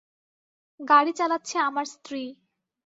গাড়ি চালাচ্ছে আমার স্ত্রী।